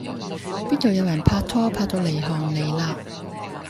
邊道有人拍拖拍到離行離迾